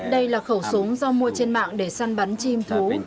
đây là khẩu súng do mua trên mạng để săn bắn chim thú